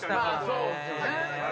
そうですよね。